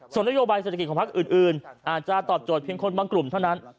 ส่วนนโยบายเศรษฐกิจของพักอื่นอาจจะตอบโจทย์เพียงคนบางกลุ่มเท่านั้น